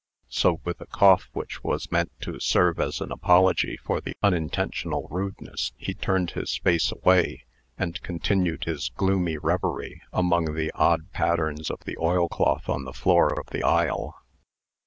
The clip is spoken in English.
So, with a cough which was meant to serve as an apology for the unintentional rudeness, he turned his face away, and continued his gloomy revery among the odd patterns of the oilcloth on the floor of the aisle.